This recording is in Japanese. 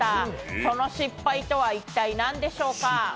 その失敗とは一体なんでしょうか？